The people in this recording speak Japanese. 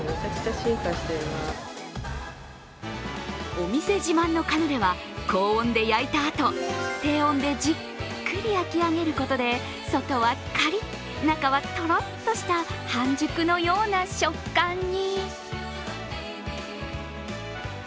お店自慢のカヌレは高温で焼いたあと低温でじっくり焼き上げることで外はカリッ中はトロッとした半熟のような食感に。